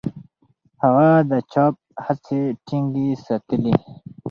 هغه د چاپ هڅې ټینګې ساتلې.